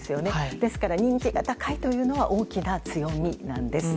ですから、人気が高いというのは大きな強みなんです。